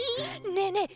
ねえねえ